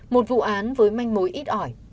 một vụ án với manh mối ít ỏi